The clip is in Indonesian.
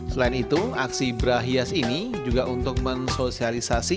selain itu aksi brah hias ini juga untuk mensosialisasi